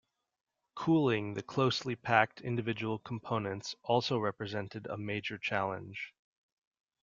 Cooling the closely packed individual components also represented a major challenge.